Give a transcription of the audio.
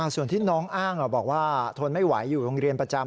ส่วนที่น้องอ้างบอกว่าทนไม่ไหวอยู่โรงเรียนประจำ